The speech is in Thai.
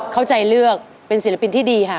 เข้าใจเลือกเป็นศิลปินที่ดีค่ะ